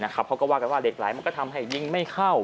เขาก็ว่ากันว่าเหล็กไหลมันก็ทำให้ยิงไม่เข้า